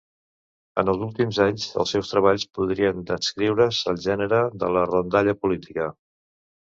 En els últims anys, els seus treballs podrien adscriure's al gènere de la rondalla política.